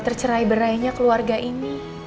tercerai berayanya keluarga ini